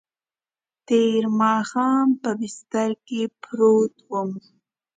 تېر ماښام په بستره کې پروت وم.